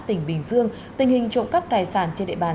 tỉnh bình dương tình hình trộm cắp tài sản trên địa bàn